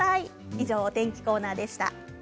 以上、お天気コーナーでした。